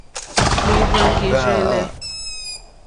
Lìhváŋgìrzèlèlè.